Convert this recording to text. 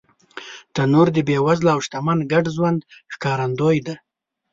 تنور د بېوزله او شتمن ګډ ژوند ښکارندوی دی